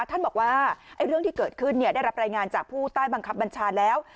ท่านบอกว่าเรื่องที่เกิดขึ้นได้รับรายงานจากผู้ใต้บังคับบัญชาแล้ว